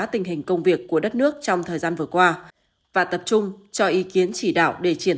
tình hình công việc của đất nước trong thời gian vừa qua và tập trung cho ý kiến chỉ đạo để triển